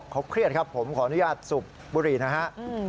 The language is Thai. เขาเครียดครับผมขออนุญาตสูบบุหรี่นะฮะ